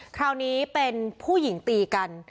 คราวนี้เป็นผู้หญิงตีกัน